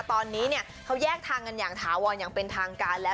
ตอนนี้เขาแยกทางกันอย่างถาวรอย่างเป็นทางการแล้ว